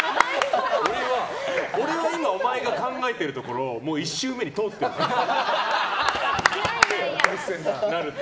俺は今、お前が考えてるところもう１周目に通ってんだよって。